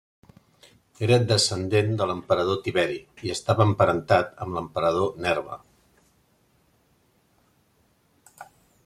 Era descendent de l'emperador Tiberi i estava emparentat amb l'emperador Nerva.